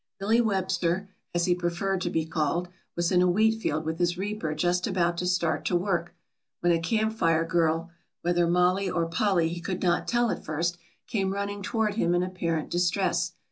Billy Webster, as he preferred to be called, was in a wheat field with his reaper just about to start to work, when a Camp Fire girl, whether Mollie or Polly he could not tell at first, came running toward him in apparent distress.